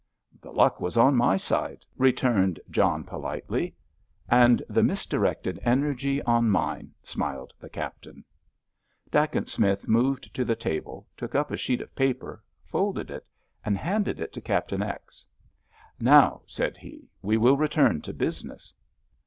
"The luck was on my side," returned John politely. "And the misdirected energy on mine," smiled the Captain. Dacent Smith moved to the table, took up a sheet of paper, folded it, and handed it to Captain X. "Now," said he, "we will return to business."